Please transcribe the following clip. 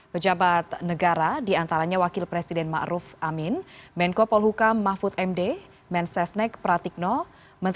dengan banyak beberapa kondisi tersebut